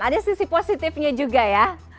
ada sisi positifnya juga ya